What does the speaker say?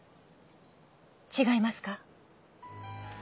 違いますか？